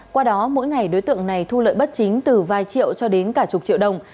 qua đó mỗi ngày đối tượng này thu lợi bất chính từ vài triệu cho đến cả chục triệu đồng